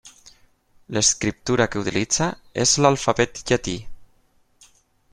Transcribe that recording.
L'escriptura que utilitza és l'alfabet llatí.